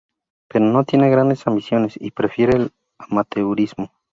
Pero no tiene grandes ambiciones y prefiere el amateurismo.